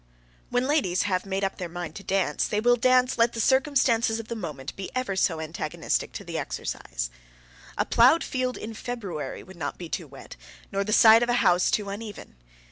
When ladies have made up their minds to dance they will dance let the circumstances of the moment be ever so antagonistic to that exercise. A ploughed field in February would not be too wet, nor the side of a house too uneven.